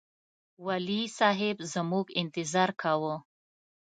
والي صاحب زموږ انتظار کاوه.